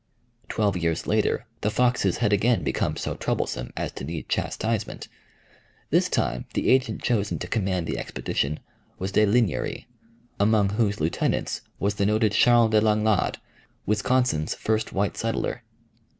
Twelve years later the Foxes had again become so troublesome as to need chastisement. This time the agent chosen to command the expedition was De Lignery, among whose lieutenants was the noted Charles de Langlade, Wisconsin's first white settler.